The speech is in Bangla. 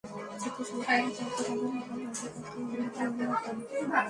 যাঁদের জন্য আমরা তারকা, তাঁদের লেখা গল্পে কাজ করার অনুভূতি অন্য রকম।